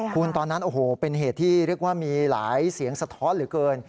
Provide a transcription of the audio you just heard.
คุณตอนนั้นโอ้โหเป็นเหตุที่เรียกว่ามีหลายเสียงสะท้อนเหลือเกิน